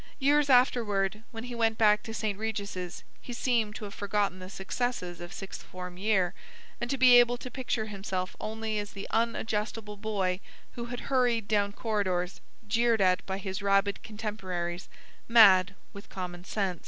Years afterward, when he went back to St. Regis', he seemed to have forgotten the successes of sixth form year, and to be able to picture himself only as the unadjustable boy who had hurried down corridors, jeered at by his rabid contemporaries mad with common sense.